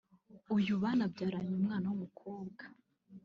uyu banabyaranye umwana w’umukobwa